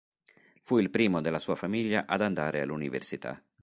Fu il primo della sua famiglia ad andare all'università.